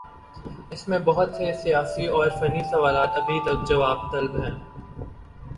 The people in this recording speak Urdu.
اس میں بہت سے سیاسی اور فنی سوالات ابھی تک جواب طلب ہیں۔